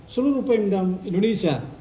seluruh pmd indonesia